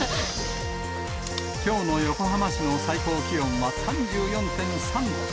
きょうの横浜市の最高気温は３４．３度。